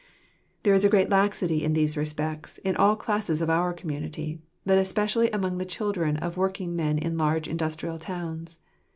There is a great laxity in these respects in all classes of our community, but especially among the children of working men in large industrial towns.